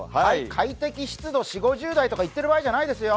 快適湿度４０５０台とか言ってる場合じゃないですよ。